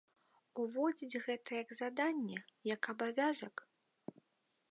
Уводзіць гэта як заданне, як абавязак?